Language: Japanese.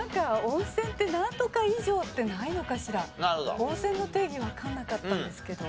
温泉の定義わかんなかったんですけど。